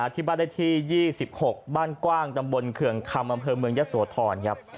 ที่บ้านได้ที่๒๖บ้านกว้างตำบลเคืองคำอำเภอเมืองยะโสธรครับ